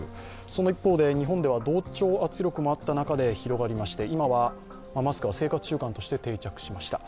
その一方で日本では同調圧力もあった中で広がりまして今はマスクは生活習慣として定着しました。